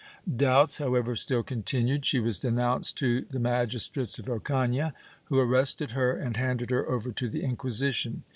Doubts, however, still continued; she was denounced to the magis trates of Ocafia, who arrested her and handed her over to the Inqui sition.